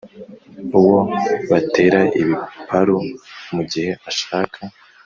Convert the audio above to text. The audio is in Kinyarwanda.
uwo batera ibiparu mu gihe ashaka